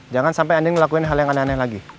jangan sampai anda ngelakuin hal yang aneh aneh lagi